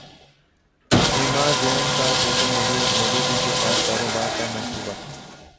Amazon کا social media celebrity کے ساتھ کاروبار کا منصوبہ